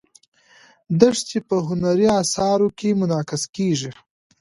دښتې په هنري اثارو کې منعکس کېږي.